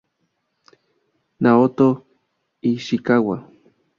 Naoto Ishikawa